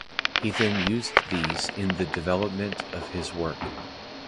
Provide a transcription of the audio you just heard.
He used these in the development of his work.